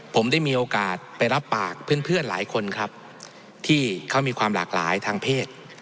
ผมได้มีโอกาสไปรับปากเพื่อนหลายคนครับที่เขามีความหลากหลายทางเพศ